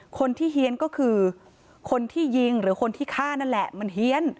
เฮียนก็คือคนที่ยิงหรือคนที่ฆ่านั่นแหละมันเฮียน